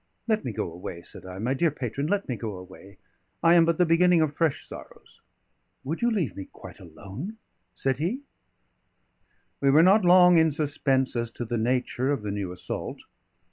"Let me go away," said I. "My dear patron, let me go away; I am but the beginning of fresh sorrows." "Would you leave me quite alone?" said he. We were not long in suspense as to the nature of the new assault.